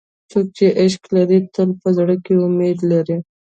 څوک چې عشق لري، تل په زړه کې امید لري.